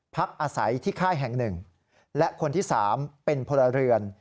พักอาศัยที่ค่ายแห่ง๑และคนที่๓เป็นพลเรือน